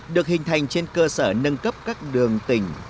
được hình thành trên cơ sở nâng cấp các đường tỉnh